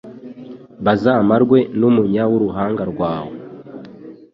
bazamarwe n’umunya w’uruhanga rwawe